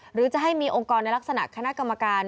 หรือจะให้มีองค์กรในลักษณะคณะกรรมการ